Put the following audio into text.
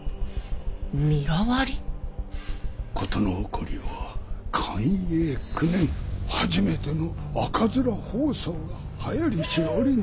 事の起こりは寛永九年初めての赤面疱瘡がはやりし折に。